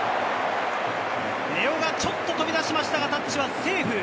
根尾がちょっと飛び出しましたが、タッチはセーフ。